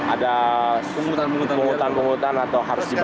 ada pungutan pungutan atau harus dibawa